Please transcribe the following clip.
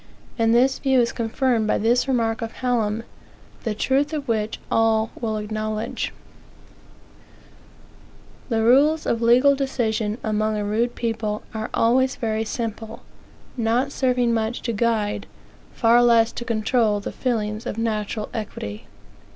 And this view is confirmed by this remark of Hallam, the truth of which all will acknowledge: "The rules of legal decision, among a rude people, are always very simple; not serving much to guide, far less to control the feelings of natural equity."